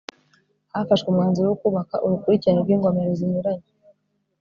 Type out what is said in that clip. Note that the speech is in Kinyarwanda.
hafashwe umwanzuro wo kubaka urukurikirane rw'ingomero zinyuranye